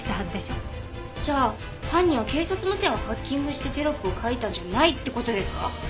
じゃあ犯人は警察無線をハッキングしてテロップを書いたんじゃないって事ですか？